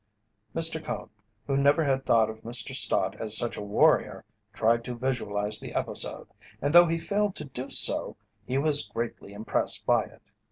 Mr. Cone, who never had thought of Mr. Stott as such a warrior, tried to visualize the episode, and though he failed to do so he was greatly impressed by it.